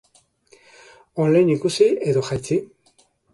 On-line ikusi edo jaitsi?